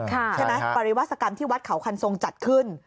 ใช่ไหมปริวาสกรรมที่วัดเขาคันทรงจัดขึ้น